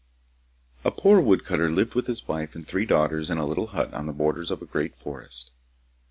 A poor woodcutter lived with his wife and three daughters in a little hut on the borders of a great forest.